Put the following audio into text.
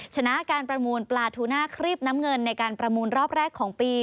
ชนะการประมูลปลาทูน่าครีบน้ำเงินในการประมูลรอบแรกของปี